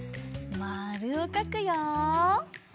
まるをかくよ。